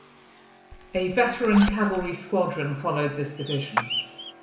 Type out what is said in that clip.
A veteran cavalry squadron followed this division.